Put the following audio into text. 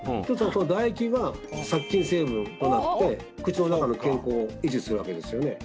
その唾液は殺菌成分となって口の中の健康を維持するわけですよね